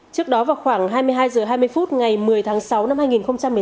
trước đó vào khoảng hai mươi hai h hai mươi phút ngày một mươi tháng sáu năm hai nghìn một mươi chín